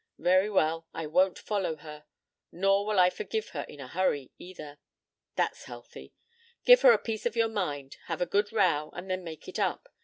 "Very well. I won't follow her. Nor will I forgive her in a hurry, either." "That's healthy. Give her a piece of your mind, have a good row, and then make it up.